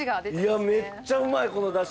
いやめっちゃうまいこの出汁。